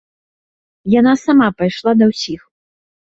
Яна сама пайшла да ўсіх.